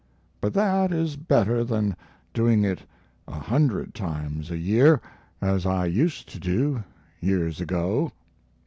But that is better than doing it a hundred times a year, as I used to do years ago.